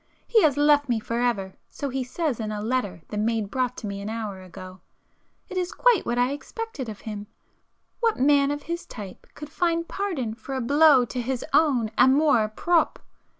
He has left me for ever, so he says in a letter the maid brought to me an hour ago. It is quite what I expected of him,—what man of his type could find pardon for a blow to his own amour propre!